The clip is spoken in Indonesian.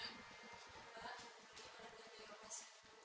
mbak ini anaknya beli komas